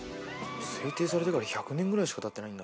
制定されてから１００年ぐらいしかたってないんだ。